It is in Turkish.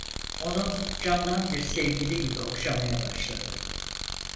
Onu candan bir sevgili gibi okşamaya başladı.